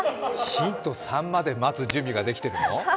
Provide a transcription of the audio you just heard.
ヒント３まで出る準備ができてるの？